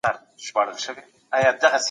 جهاد د مسلمانانو د پياوړتیا سبب ګرځي.